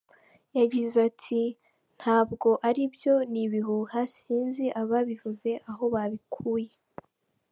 Yagize ati “Ntabwo aribyo, ni ibihuha sinzi ababivuze aho babikuye”.